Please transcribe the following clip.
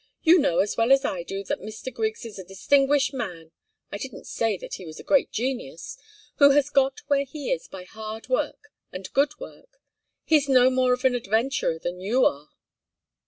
You know as well as I do that Mr. Griggs is a distinguished man, I didn't say that he was a great genius, who has got where he is by hard work and good work. He's no more of an adventurer than you are."